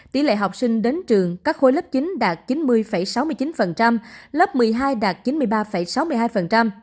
tỷ lệ học sinh đến trường các khối lớp chín đạt chín mươi sáu mươi chín lớp một mươi hai đạt chín mươi ba sáu mươi hai